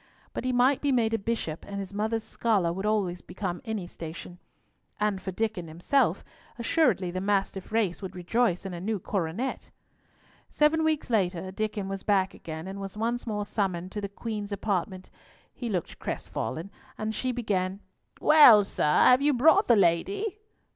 But he might be made a bishop, and his mother's scholar would always become any station. And for Diccon himself—assuredly the Mastiff race would rejoice in a new coronet! Seven weeks later, Diccon was back again, and was once more summoned to the Queen's apartment. He looked crestfallen, and she began,— "Well, sir? Have you brought the lady?"